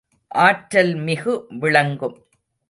ஆற்றல் மிகு விளங்கும்.